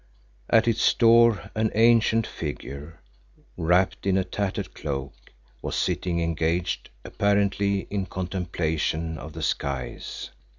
At its door an ancient figure, wrapped in a tattered cloak, was sitting, engaged apparently in contemplation of the skies.